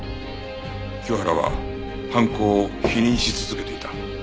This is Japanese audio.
清原は犯行を否認し続けていた。